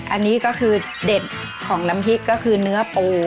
อันนี้ก็คือเด็ดของน้ำพริกก็คือเนื้อปู